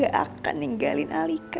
tante tidak akan meninggalkan alika